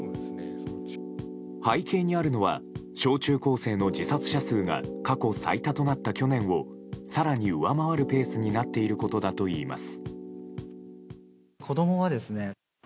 背景にあるのは小中高生の自殺者数が過去最多となった去年を更に上回るペースになったことだといいます。